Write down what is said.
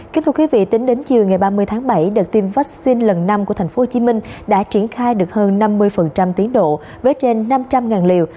kính thưa quý vị tính đến chiều ngày ba mươi tháng bảy đợt tiêm vaccine lần năm của thành phố hồ chí minh đã triển khai được hơn năm mươi tiến độ với trên năm trăm linh liều